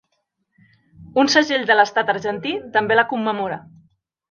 Un segell de l'estat argentí també la commemora.